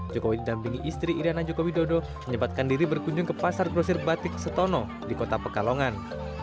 jokowi dan pinggi istri iryana jokowi dodo menyebatkan diri berkunjung ke pasar krosir batik setono di kota pekalongan